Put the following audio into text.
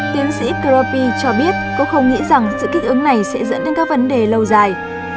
tiến sĩ kropi cho biết cũng không nghĩ rằng sự kích ứng này sẽ dẫn đến các vấn đề lâu dài